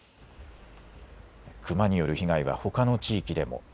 クマによる被害はほかの地域でも。